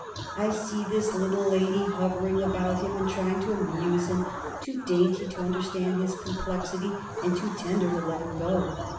I see this little lady, hovering about him and trying to amuse him, too dainty to understand his complexity and too tender to let him go.